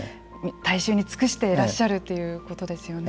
大衆に尽くしてらっしゃるということですよね。